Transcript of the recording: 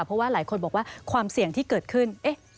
เพราะว่าหลายคนบอกว่าความเสี่ยงที่เกิดขึ้น